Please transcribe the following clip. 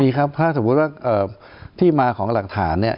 มีครับถ้าสมมุติว่าที่มาของหลักฐานเนี่ย